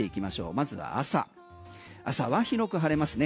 まずは朝、朝は広く晴れますね。